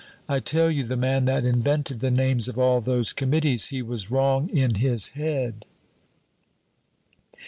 I tell you, the man that invented the names of all those committees, he was wrong in his head.